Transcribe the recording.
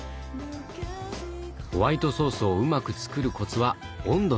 ホワイトソースをうまく作るコツは温度なんですね。